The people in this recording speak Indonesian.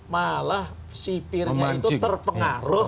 malah sipirnya itu terpengaruh